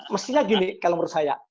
mestinya gini kalau menurut saya